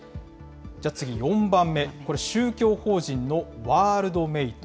次４番目、これ、宗教法人のワールドメイト。